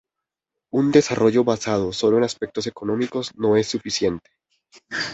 Un desarrollo basado solo en aspectos económicos no es suficiente.